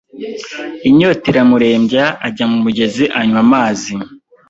inyota iramurembya, ajya mu mugezi anywa amazi,